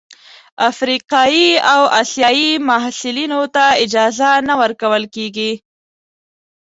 افریقايي او اسیايي محصلینو ته اجازه نه ورکول کیږي.